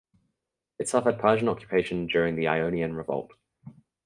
It suffered Persian occupation during the Ionian Revolt.